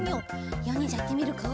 いおにんじゃいってみるか？